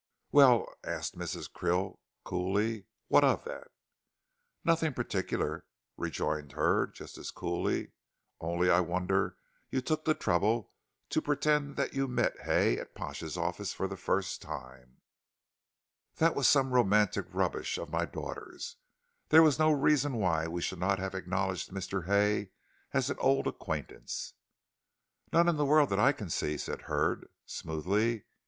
"Well?" asked Mrs. Krill, coolly, "what of that?" "Nothing particular," rejoined Hurd, just as coolly, "only I wonder you took the trouble to pretend that you met Hay at Pash's office for the first time." "That was some romantic rubbish of my daughter's. There was no reason why we should not have acknowledged Mr. Hay as an old acquaintance." "None in the world that I can see," said Hurd, smoothly.